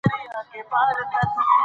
مور د ماشوم د لوبو وخت تنظیموي.